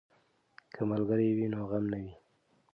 که ملګری وي نو غم نه وي.